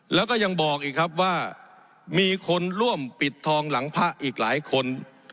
แล้วก็ยังบอกอีกครับว่ามีคนร่วมปิดทองหลังพระอีกหลายคน